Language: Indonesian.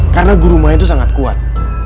karena guru ma itu sangat kuat